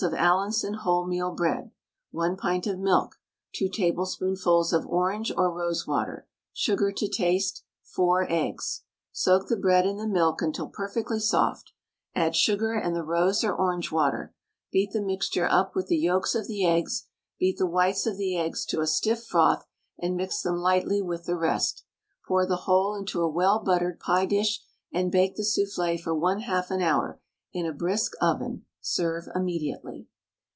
of Allinson wholemeal bread, 1 pint of milk, 2 tablespoonfuls of orange or rosewater, sugar to taste, 4 eggs. Soak the bread in the milk until perfectly soft; add sugar and the rose or orange water; beat the mixture up with the yolks of the eggs; beat the whites of the eggs to a stiff froth, and mix them lightly with the rest; pour the whole into a well buttered pie dish and bake the soufflé for 1/2 an hour in a brisk oven; serve immediately.